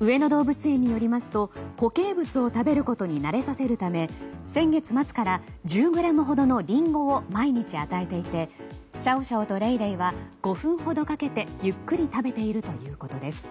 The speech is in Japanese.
上野動物園によりますと固形物を食べることに慣れさせるため先月末から１０ｇほどのリンゴを毎日、与えていてシャオシャオとレイレイは５分ほどかけてゆっくり食べているということです。